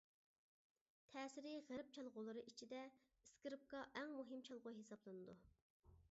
تەسىرى غەرب چالغۇلىرى ئىچىدە، ئىسكىرىپكا ئەڭ مۇھىم چالغۇ ھېسابلىنىدۇ.